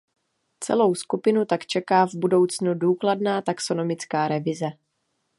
Celou skupinu tak čeká v budoucnu důkladná taxonomická revize.